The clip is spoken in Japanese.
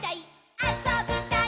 あそびたい！